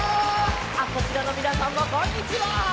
こちらのみなさんもこんにちは！